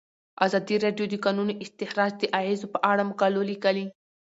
ازادي راډیو د د کانونو استخراج د اغیزو په اړه مقالو لیکلي.